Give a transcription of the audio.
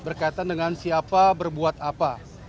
berkaitan dengan siapa berbuat apa